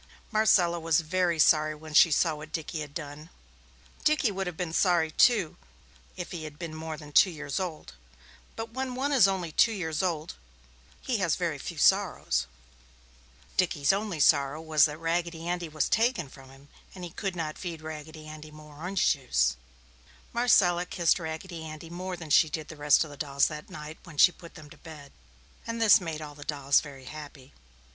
Marcella was very sorry when she saw what Dickie had done. Dickie would have been sorry, too, if he had been more than two years old, but when one is only two years old, he has very few sorrows. Dickie's only sorrow was that Raggedy Andy was taken from him, and he could not feed Raggedy Andy more orange juice. Marcella kissed Raggedy Andy more than she did the rest of the dolls that night, when she put them to bed, and this made all the dolls very happy.